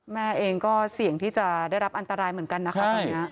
แม่เองก็เสี่ยงที่จะได้รับอันตรายเหมือนกันนะคะตอนนี้